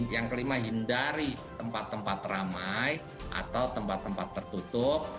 yang kelima hindari tempat tempat ramai atau tempat tempat tertutup